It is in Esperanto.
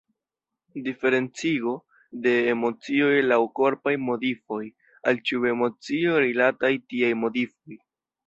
Diferencigo de emocioj laŭ korpaj modifoj: al ĉiu emocio rilataj tiaj modifoj.